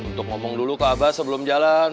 untuk ngomong dulu ke abbas sebelum jalan